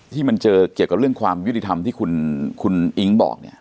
ที่มันเจอเกี่ยวกับเรื่องความยุติธรรมที่คุณอิ๊งบอกเนี่ย